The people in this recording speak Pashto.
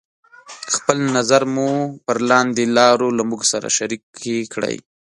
خپل نظر مو پر لاندې لارو له موږ سره شريکې کړئ: